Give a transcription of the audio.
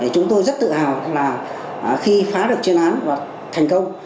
chúng tôi rất tự hào là khi phá được chuyên án và thành công